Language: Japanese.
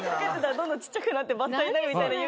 どんどん小っちゃくなってバッタになるみたいな夢。